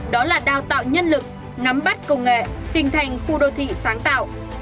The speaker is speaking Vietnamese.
đó là đào tạo nhân lực nắm bắt công nghệ hình thành khu đô thị sáng tạo